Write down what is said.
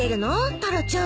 タラちゃん。